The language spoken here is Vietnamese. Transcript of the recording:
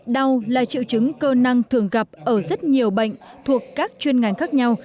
đau là triệu chứng cơ năng thường gặp ở rất nhiều bệnh thuộc các chuyên ngành khác nhau